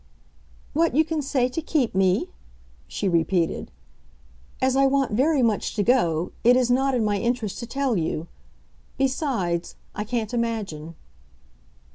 "What you can say to keep me?" she repeated. "As I want very much to go it is not in my interest to tell you. Besides, I can't imagine."